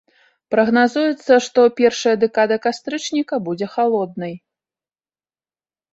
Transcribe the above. Прагназуецца, што першая дэкада кастрычніка будзе халоднай.